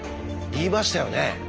言いましたよね？